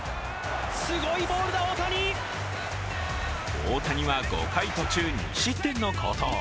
大谷は５回途中２失点の好投。